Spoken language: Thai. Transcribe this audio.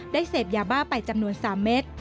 เสพยาบ้าไปจำนวน๓เม็ด